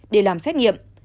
để làm xét nghiệm